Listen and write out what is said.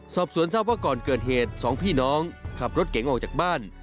สอบสวนทราบว่าก่อนเกิดเหตุสองพี่น้องขับรถเก๋งออกจากบ้าน